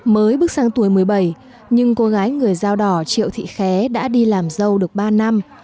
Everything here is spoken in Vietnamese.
mới bước sang tuổi một mươi bảy nhưng cô gái người dao đỏ triệu thị khé đã đi làm dâu được ba năm